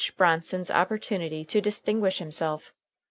Bronson's opportunity to distinguish himself.